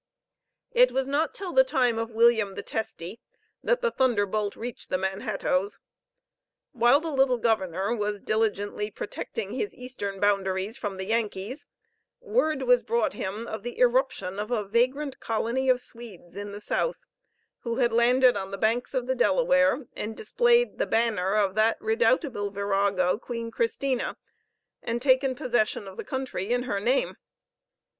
It was not till the time of William the Testy that the thunderbolt reached the Manhattoes. While the little governor was diligently protecting his eastern boundaries from the Yankees, word was brought him of the irruption of a vagrant colony of Swedes in the South, who had landed on the banks of the Delaware, and displayed the banner of that redoubtable virago Queen Christina, and taken possession of the country in her name.